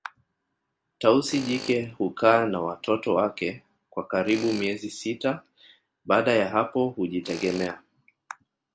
Tausi jike hukaa na watoto wake kwa karibu miezi sita baada ya hapo hujitegemea